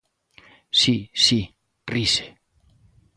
Si, si, rise.